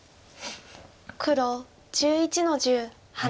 黒１１の十ハネ。